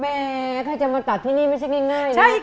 แม้ถ้าจะมาตัดที่นี่ไม่ใช่ง่ายนะ